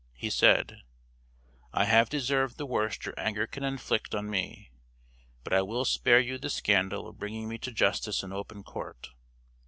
He said, 'I have deserved the worst your anger can inflict on me, but I will spare you the scandal of bringing me to justice in open court.